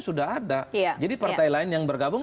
sudah ada jadi partai lain yang bergabung